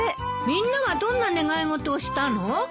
みんなはどんな願い事したの？